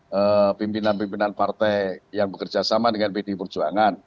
dengan pimpinan pimpinan partai yang bekerja sama dengan pdi perjuangan